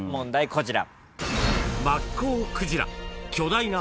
こちら。